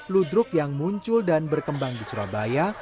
ludruk yang muncul dan berkembang di surabaya